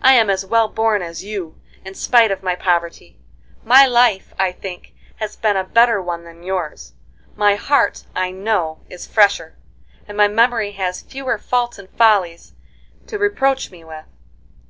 I am as well born as you in spite of my poverty; my life, I think, has been a better one than yours; my heart, I know, is fresher, and my memory has fewer faults and follies to reproach me with.